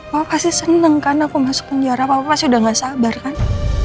pak pasti seneng kan aku masuk penjara pak pasti udah gak sabar kan